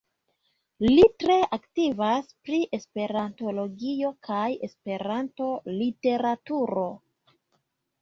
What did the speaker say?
Li tre aktivas pri esperantologio kaj esperanto-literaturo.